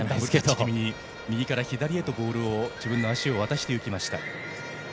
右から左へとボールを自分の足を渡していきました。